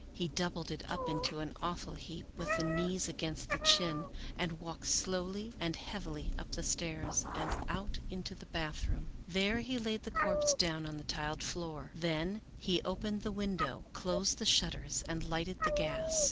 He doubled it up into an awful heap, with the knees against the chin, and walked slowly and heavily up the stairs and out into the bathroom. There he laid the corpse down on the tiled floor. Then he opened the window, closed the shut ters, and lighted the gas.